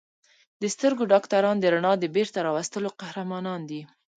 د سترګو ډاکټران د رڼا د بېرته راوستلو قهرمانان دي.